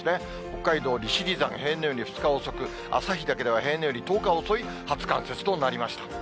北海道利尻山、平年より２日遅く、旭岳では平年より１０日遅い初冠雪となりました。